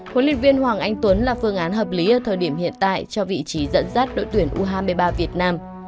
huấn luyện viên hoàng anh tuấn là phương án hợp lý ở thời điểm hiện tại cho vị trí dẫn dắt đội tuyển u hai mươi ba việt nam